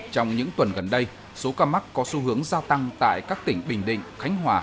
trong những tuần gần đây số ca mắc có xu hướng gia tăng tại các tỉnh bình định khánh hòa